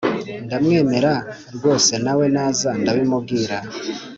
Ndamwemera rwose nawe naza ndabimubwira